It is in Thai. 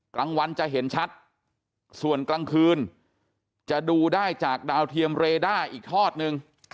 กลางวันจะเห็นชัดส่วนกลางคืนจะดูได้จากดาวเทียมเรด้าอีกทอดนึง